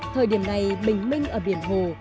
thời điểm này bình minh ở biển hồ